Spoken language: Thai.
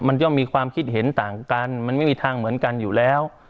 มันย่อมมีความคิดเห็นต่างกันมันไม่มีทางเหมือนกันอยู่แล้ว